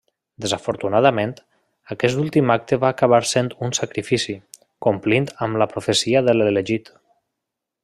Desafortunadament, aquest últim acte va acabar sent un sacrifici, complint amb la profecia de l'Elegit.